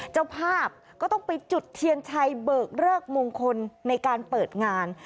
เจ้าภาพก็ต้องไปจุดเทียนชัยเบิกเลิกมงคลในการเปิดงาน